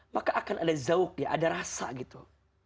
maka akan ada zauknya ada rasa gitu